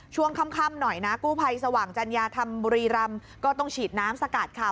ช่วงค่ำหน่อยนะกู้ภัยสว่างจัญญาธรรมบุรีรำก็ต้องฉีดน้ำสกัดค่ะ